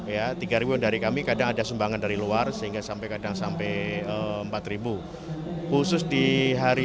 ya tiga ribu dari kami kadang ada sumbangan dari luar sehingga sampai kadang sampai empat ribu khusus di hari